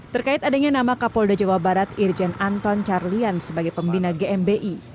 terkait adanya nama kapolda jawa barat irjen anton carlian sebagai pembina gmi